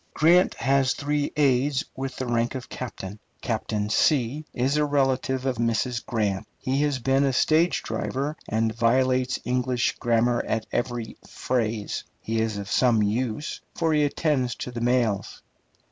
Grant has three aides with the rank of captain. Captain is a relative of Mrs. Grant. He has been a stage driver, and violates English grammar at every phrase. He is of some use, for he attends to the mails.